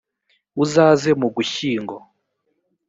uzaze mugushyingo.